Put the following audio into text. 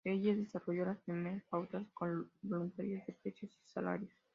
Heller desarrolló las primeras pautas "voluntarias" de precios y salarios.